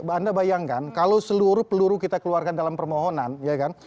anda bayangkan kalau seluruh peluru kita keluarkan dalam permohonan